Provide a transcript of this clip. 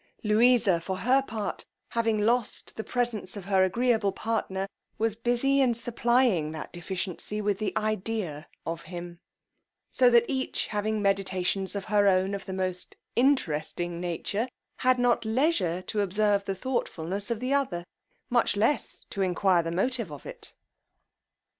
Louisa, for her part, having lost the presence of her agreeable partner, was busy in supplying that deficiency with the idea of him; so that each having meditations of her own of the most interesting nature, had not leisure to observe the thoughtfulness of the other, much less to enquire the motive of it.